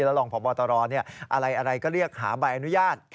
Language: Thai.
รองพบตรอะไรก็เรียกหาใบอนุญาต